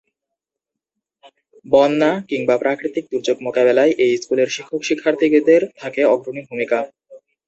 বন্যা কিংবা প্রাকৃতিক দুর্যোগ মোকাবেলায় এই স্কুলের শিক্ষক শিক্ষার্থীদের থাকে অগ্রণী ভূমিকা।